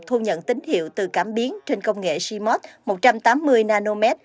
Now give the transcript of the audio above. thu nhận tín hiệu từ cảm biến trên công nghệ shimot một trăm tám mươi nm